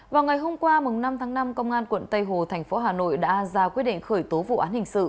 vào ngày hôm qua năm tháng năm công an quận tây hồ thành phố hà nội đã ra quyết định khởi tố vụ án hình sự